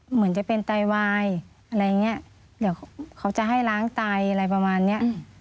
เหมือนจะเป็นไตวายอะไรอย่างเงี้ยเดี๋ยวเขาจะให้ล้างไตอะไรประมาณเนี้ย